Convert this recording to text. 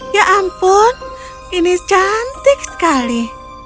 ya ampun ini cantik sekali